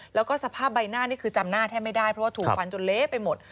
แล้วก็สภาพใบหน้านี่คือจำหน้าแทบไม่ได้เพราะว่าถูกฟันจนเละไปหมด